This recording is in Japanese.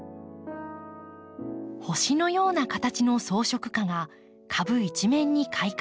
星のような形の装飾花が株一面に開花。